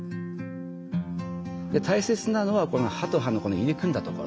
大切なのはこの歯と歯のこの入り組んだ所。